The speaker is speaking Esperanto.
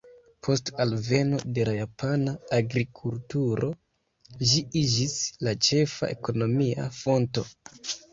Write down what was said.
Post alveno de la japana agrikulturo ĝi iĝis la ĉefa ekonomia fonto.